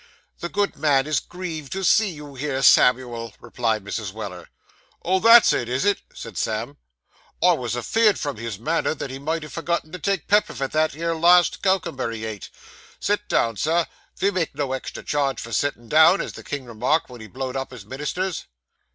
'The good man is grieved to see you here, Samuel,' replied Mrs. Weller. 'Oh, that's it, is it?' said Sam. 'I was afeerd, from his manner, that he might ha' forgotten to take pepper vith that 'ere last cowcumber he eat. Set down, Sir, ve make no extra charge for settin' down, as the king remarked wen he blowed up his ministers.